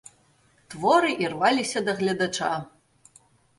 Творы ірваліся да гледача.